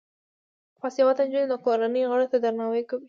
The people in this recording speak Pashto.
باسواده نجونې د کورنۍ غړو ته درناوی کوي.